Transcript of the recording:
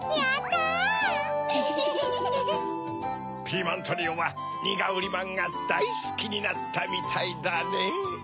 ピーマントリオはニガウリマンがだいすきになったみたいだねぇ。